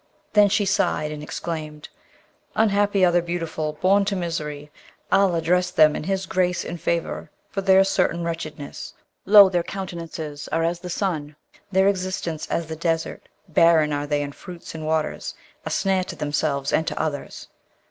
Then she sighed, and exclaimed, 'Unhappy are the beautiful! born to misery! Allah dressed them in his grace and favour for their certain wretchedness! Lo, their countenances are as the sun, their existence as the desert; barren are they in fruits and waters, a snare to themselves and to others!'